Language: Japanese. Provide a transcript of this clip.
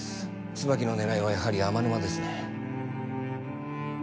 椿の狙いはやはり天沼ですね